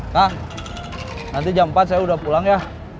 kang nanti jam empat saya udah pulang yah